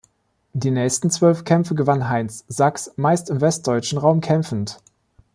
Die nächsten zwölf Kämpfe gewann Heinz Sachs, meist im westdeutschen Raum kämpfend.